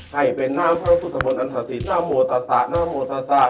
ให้เป็นหน้าพระพุทธภรรณอันสาศิลป์นโมตัสะนโมตัสะ